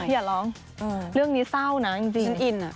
อย่าร้องเรื่องนี้เศร้านะจริง